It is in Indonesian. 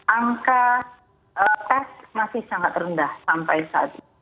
angka tes masih sangat rendah sampai saat ini